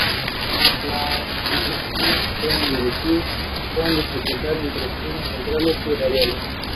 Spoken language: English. She announced that she married four times secretly.